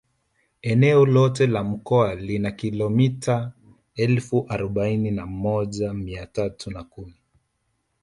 Eneo lote la mkoa lina kilometa elfu arobaini na moja mia tatu na kumi